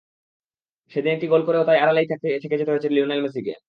সেদিন একটি গোল করেও তাই আড়ালেই থেকে যেতে হয়েছে লিওনেল মেসিকে।